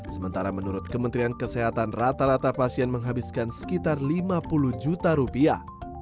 sementara menurut kementerian kesehatan rata rata pasien menghabiskan sekitar lima puluh juta rupiah